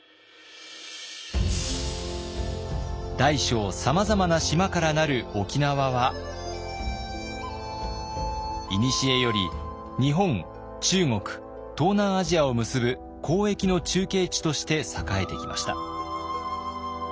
大小さまざまな島から成る沖縄はいにしえより日本中国東南アジアを結ぶ交易の中継地として栄えてきました。